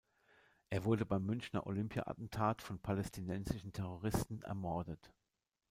Er wurde beim Münchner Olympia-Attentat von palästinensischen Terroristen ermordet.